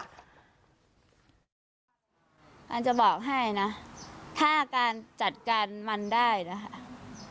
อาจจะบอกให้นะถ้าการจัดการมันได้นะคะ